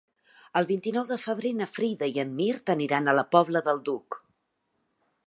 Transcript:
El vint-i-nou de febrer na Frida i en Mirt aniran a la Pobla del Duc.